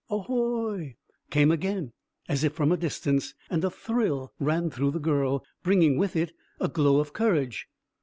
"Ahoy!" came again, as if from a distance, and a thrill ran through the girl, bringing with it a glow of courage.